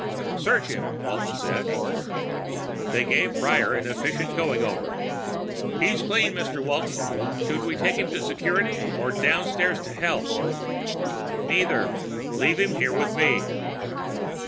"Search him," Walton said. They gave Prior an efficient going over. "He's clean, Mr. Walton. Should we take him to security, or downstairs to health?" "Neither. Leave him here with me."